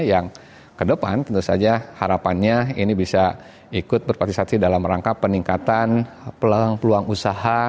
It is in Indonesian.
yang kedepan tentu saja harapannya ini bisa ikut berpartisipasi dalam rangka peningkatan peluang usaha